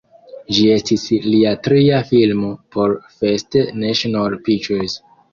Ĝi estis lia tria filmo por First National Pictures.